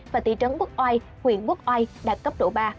và tỷ trấn quốc oai huyện quốc oai đạt cấp độ ba